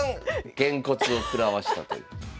げんこつを食らわしたという。